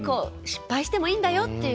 失敗してもいいんだよと。